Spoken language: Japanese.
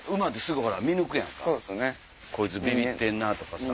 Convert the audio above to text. こいつビビってんな！とかさ。